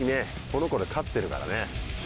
この子で勝ってるからね。